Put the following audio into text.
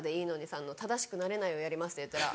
さんの『正しくなれない』をやりますって言ったら。